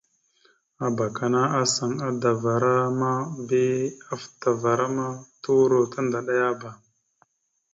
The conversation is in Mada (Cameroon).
Abak ana asaŋ adavara ma bi afətavara ma turo tandaɗayaba.